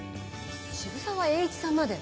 渋沢栄一さんまで。